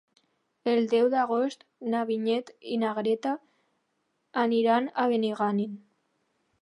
El deu d'agost na Vinyet i na Greta aniran a Benigànim.